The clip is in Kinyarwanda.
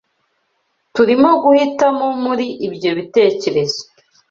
Turimo guhitamo muri ibyo bitekerezo.